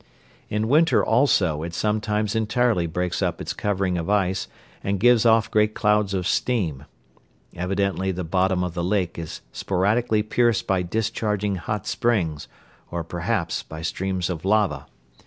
In winter also it sometimes entirely breaks up its covering of ice and gives off great clouds of steam. Evidently the bottom of the lake is sporadically pierced by discharging hot springs or, perhaps, by streams of lava.